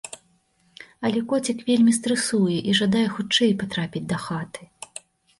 Але коцік вельмі стрэсуе і жадае хутчэй патрапіць дахаты!